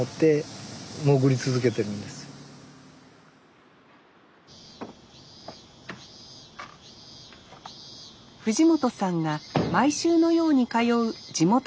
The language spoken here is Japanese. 藤本さんが毎週のように通う地元の高校。